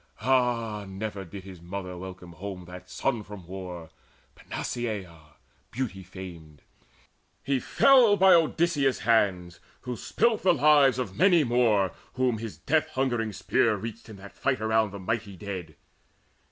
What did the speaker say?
Ah, never did his mother welcome home That son from war, Panaceia beauty famed! He fell by Odysseus' hands, who spilt the lives Of many more whom his death hungering spear Reached in that fight around the mighty dead.